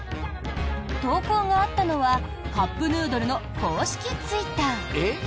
投稿があったのはカップヌードルの公式ツイッター。